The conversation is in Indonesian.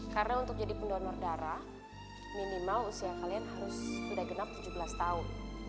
karena untuk jadi pendonor darah minimal usia kalian harus sudah genap tujuh belas tahun